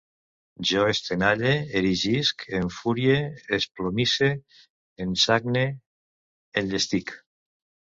Jo estenalle, erigisc, enfurie, esplomisse, ensagne, enllestisc